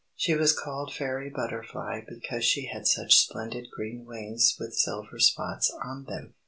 She was called Fairy Butterfly because she had such splendid green wings with silver spots on them.